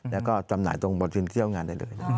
แล้วก็จำหน่ายตรงบนดินเที่ยวงานได้เลย